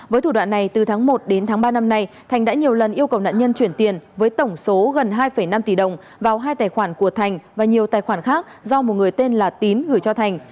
với thủ đoạn này từ tháng một đến tháng ba năm nay thành đã nhiều lần yêu cầu nạn nhân chuyển tiền với tổng số gần hai năm tỷ đồng vào hai tài khoản của thành và nhiều tài khoản khác do một người tên là tín gửi cho thành